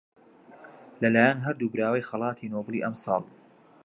لەلایەن هەردوو براوەی خەڵاتی نۆبڵی ئەمساڵ